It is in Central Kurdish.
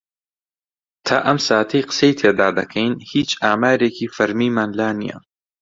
تا ئەم ساتەی قسەی تێدا دەکەین هیچ ئامارێکی فەرمیمان لا نییە.